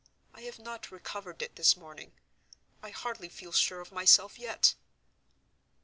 I have not recovered it this morning: I hardly feel sure of myself yet."